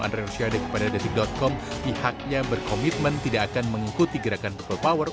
andre rosiade kepada detik com pihaknya berkomitmen tidak akan mengikuti gerakan people power